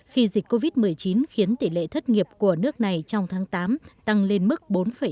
khi dịch covid một mươi chín khiến tỷ lệ thất nghiệp của nước này trong tháng tám tăng lên mức bốn bảy